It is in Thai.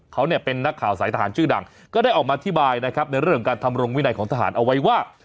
เขาเนี่ยเป็นนักข่าวสายทหารชื่อดังก็ได้ออกมาอธิบายนะครับในเรื่องการทำรงวินัยของทหารเอาไว้ว่า